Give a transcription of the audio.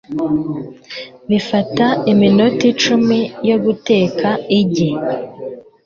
Bifata iminota icumi yo guteka igi.